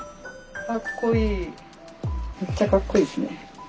めっちゃかっこいいですね。